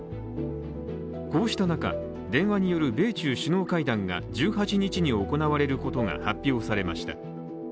こうした中、電話による米中首脳会談が１８日に行われることが発表されました。